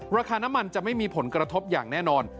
ราคาน้ำมันจะไม่มีผลกระทบอย่างแน่นอน